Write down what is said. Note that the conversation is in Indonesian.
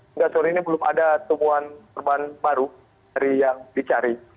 hingga saat ini belum ada temuan korban baru yang dicari